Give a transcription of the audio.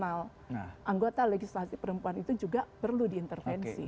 tapi juga situasi eksternal anggota legislatif perempuan itu juga perlu diintervensi